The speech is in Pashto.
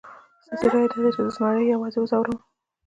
ستاسې رایه داده چې زه زمري یوازې وځوروم؟